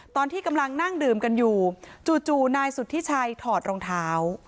ตอนที่กำลังนั่งดื่มกันอยู่จู่นายสุธิชัยถอดรองเท้า